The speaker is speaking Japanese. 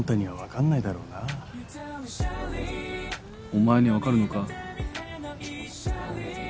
お前には分かるのか？